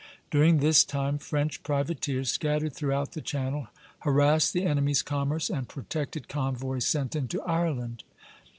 During this time French privateers, scattered throughout the Channel, harassed the enemy's commerce and protected convoys sent into Ireland.